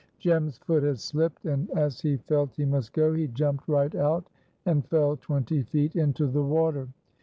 Jem's foot had slipped, and, as he felt he must go, he jumped right out, and fell twenty feet into the water.